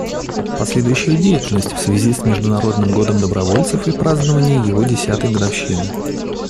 Последующая деятельность в связи с Международным годом добровольцев и празднование его десятой годовщины.